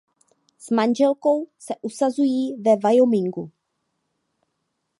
S manželkou se usazují ve Wyomingu.